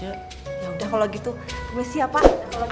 yaudah kalau gitu permisi ya pak